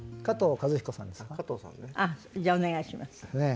加藤和彦さんですか？